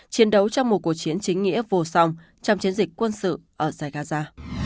chiến đấu trong một cuộc chiến chính nghĩa vô song trong chiến dịch quân sự ở saigaza